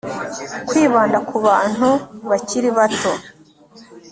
kwibanda ku bantu bakiri bato